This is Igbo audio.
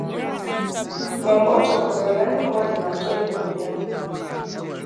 Ma mgbe ọ chọpụtara na ndị mmadụ na-achọ ịwakpò ya